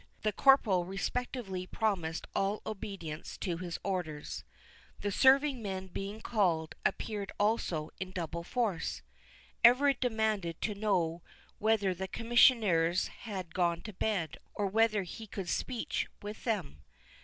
The corporal respectfully promised all obedience to his orders. The serving men being called, appeared also in double force. Everard demanded to know whether the Commissioners had gone to bed, or whether he could get speech with them?